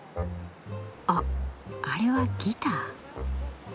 あっあれはギター？